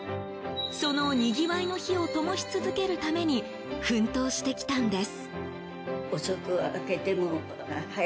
そのにぎわいの火をともし続けるために奮闘してきたんです。